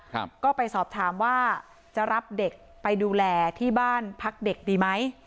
ครับก็ไปสอบถามว่าจะรับเด็กไปดูแลที่บ้านพักเด็กดีไหม